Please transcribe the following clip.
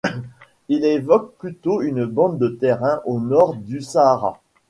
Il évoque plutôt une bande de terrain au nord du Sahara.